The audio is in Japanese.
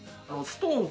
ストーン。